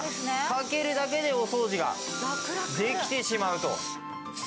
かけるだけでお掃除ができてしまうと。